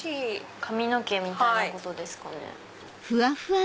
髪の毛みたいなことですかね。